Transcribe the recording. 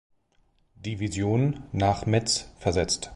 Division nach Metz versetzt.